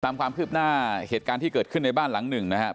ตามความคืบหน้าเหตุการณ์ที่เกิดขึ้นในบ้านหลังหนึ่งนะครับ